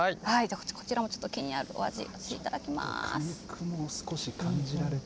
こちらもちょっと気になるお味いただきます。